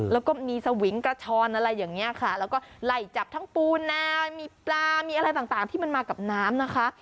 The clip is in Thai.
แล้วก็มีสวิงกระชอนอะไรอย่างนี้ค่ะแล้วก็ไหล่จับทั้งปูนามีปลามีอะไรต่างที่มันมากับน้ำนะคะ